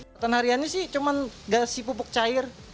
hutan hariannya sih cuma kasih pupuk cair